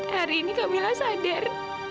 hari ini kamila sadar